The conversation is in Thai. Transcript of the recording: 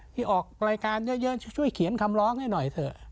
ที่ออกรายการเยอะช่วยเขียนคำร้องให้หน่อยเถอะ